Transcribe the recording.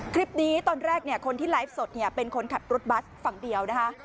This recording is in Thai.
คลิปนี้ตอนแรกคนที่ไลฟ์สดเป็นคนขับรถบัสฝั่งเดียวนะคะ